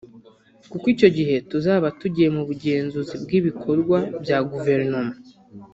kuko icyo gihe tuzaba tugiye mu bugenzuzi bw’ibikorwa bya Guverinoma